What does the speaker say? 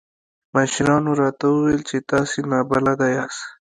مشرانو راته وويل چې تاسې نابلده ياست.